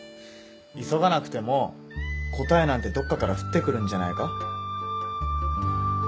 急がなくても答えなんてどっかから降ってくるんじゃないか？